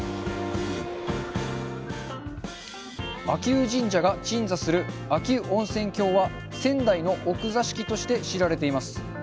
秋保神社が鎮座する秋保温泉郷は仙台の奥座敷として知られています。